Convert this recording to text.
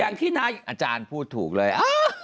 อย่างที่นายอาจารย์พูดถูกเลย